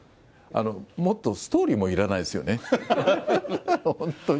もっと、ストーリーもいらないですよね、本当に。